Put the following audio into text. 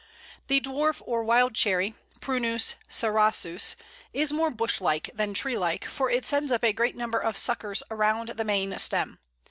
] The Dwarf or Wild Cherry (Prunus cerasus) is more bush like than tree like, for it sends up a great number of suckers around the main stem.